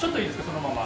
そのまま。